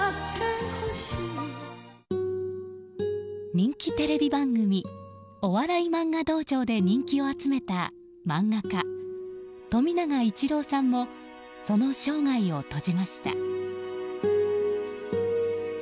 人気テレビ番組「お笑いマンガ道場」で人気を集めた漫画家富永一朗さんもその生涯を閉じました。